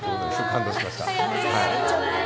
感動しました。